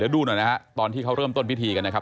ดูหน่อยนะฮะตอนที่เขาเริ่มต้นพิธีกันนะครับ